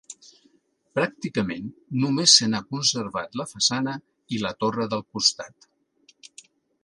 Pràcticament només se n'ha conservat la façana i la torre del costat.